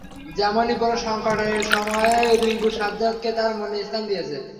তেমনই কোনো সংকটের সময়ে রিংকু সাজ্জাদকে তার মনে স্থান দিয়েছে।